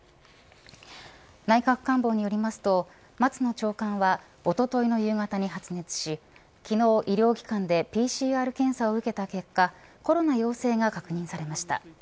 内閣官房によりますと松野長官はおとといの夕方に発熱し昨日、医療機関でＰＣＲ検査を受けた結果コロナ陽性が確認されました。